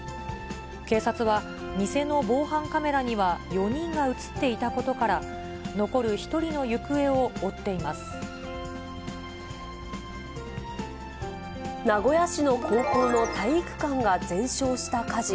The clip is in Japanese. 警察は、店の防犯カメラには４人が写っていたことから、残る１人の行方を名古屋市の高校の体育館が全焼した火事。